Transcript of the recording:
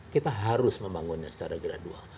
kita harus membangunnya secara gradual